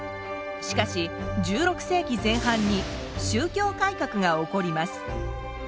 しかし１６世紀前半に宗教改革が起こります。